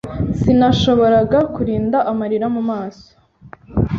Sinashoboraga kurinda amarira mu maso.